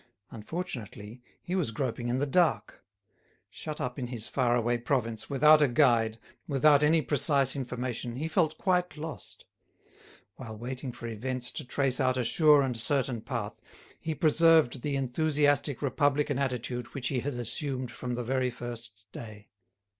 Unfortunately, he was groping in the dark. Shut up in his far away province, without a guide, without any precise information, he felt quite lost. While waiting for events to trace out a sure and certain path, he preserved the enthusiastic republican attitude which he had assumed from the very first day.